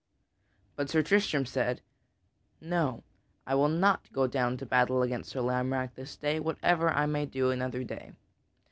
But Sir Tristram said: "No; I will not go down to battle against Sir Lamorack this day whatever I may do another day.